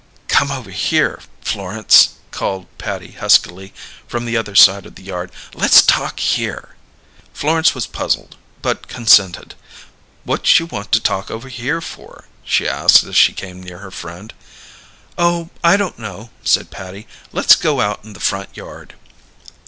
"Come on over here, Florence," called Patty huskily, from the other side of the yard. "Let's talk over here." Florence was puzzled, but consented. "What you want to talk over here for?" she asked as she came near her friend. "Oh, I don't know," said Patty. "Let's go out in the front yard."